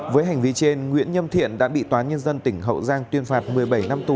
với hành vi trên nguyễn nhâm thiện đã bị tòa nhân dân tỉnh hậu giang tuyên phạt một mươi bảy năm tù